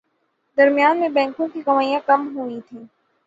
درمیان میں بینکوں کی کمائیاں کم ہوئیں تھیں